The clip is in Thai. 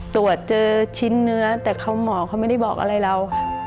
ตรวจเจอชิ้นเนื้อแต่หมอเขาไม่ได้บอกอะไรเรา